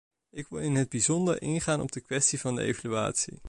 Ik wil in het bijzonder ingaan op de kwestie van de evaluatie.